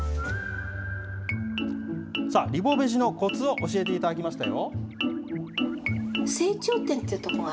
さあ、リボベジのコツを教えていただきましたよ。